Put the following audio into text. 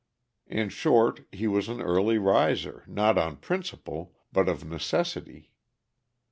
In short, he was an early riser not on principle but of necessity.